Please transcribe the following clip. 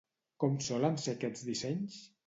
Com solen ser aquests dissenys?